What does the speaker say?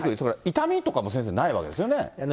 痛みとかも先生、ないわけですよね。